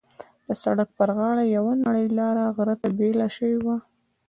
د سړک پر غاړه یوه نرۍ لاره غره ته بېله شوې وه.